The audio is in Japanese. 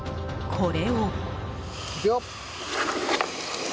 これを。